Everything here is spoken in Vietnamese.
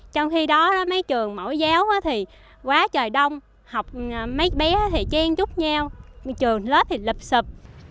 trong khi đó mấy trường mẫu giáo thì quá trời đông học mấy bé thì chen chút nhau trường lớp thì lập sập